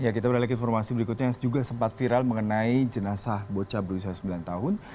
kita beralih ke informasi berikutnya yang juga sempat viral mengenai jenazah bocah berusia sembilan tahun